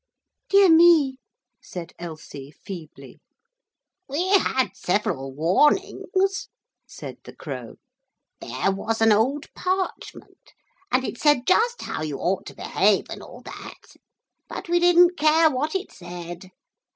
'Dear me,' said Elsie feebly. 'We had several warnings,' said the Crow. 'There was an old parchment, and it said just how you ought to behave and all that. But we didn't care what it said.